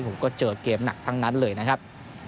ผมก็เจอเกมหนักทั้งนั้นเลยนะครับ